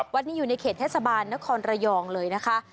วัดนี้อยู่ในเขตเทศบาลนครระยองเลยนะคะ